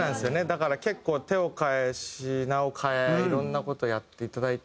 だから結構手を替え品を替えいろんな事やっていただいて。